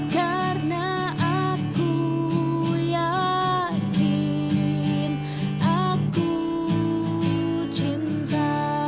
karena aku yakin aku cinta